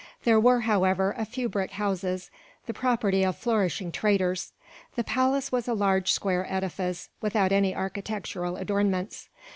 There were, however, a few brick houses, the property of flourishing traders. The palace was a large square edifice, without any architectural adornments.